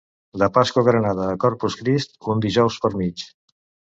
De Pasqua Granada a Corpus Crist, un dijous per mig.